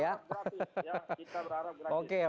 ya kita berharap berhasil